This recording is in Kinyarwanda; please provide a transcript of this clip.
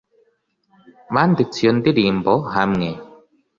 banditse iyo ndirimbo hamwe